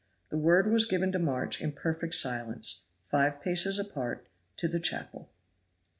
The word was given to march in perfect silence, five paces apart, to the chapel.